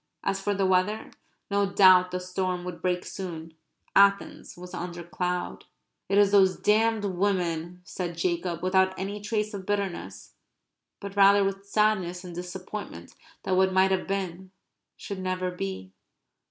(As for the weather, no doubt the storm would break soon; Athens was under cloud.) "It is those damned women," said Jacob, without any trace of bitterness, but rather with sadness and disappointment that what might have been should never be.